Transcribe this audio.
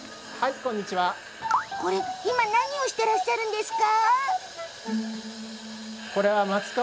これは何をしてらっしゃるんですか？